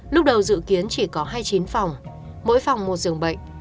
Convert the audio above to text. lúc đầu dự kiến chỉ có hai chín phòng mỗi phòng một giường bệnh